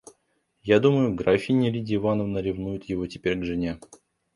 Я думаю, графиня Лидия Ивановна ревнует его теперь к жене.